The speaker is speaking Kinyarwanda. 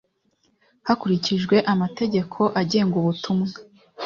hakurikijwe amategeko agenga ubutumwa.